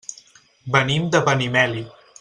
Venim de Benimeli.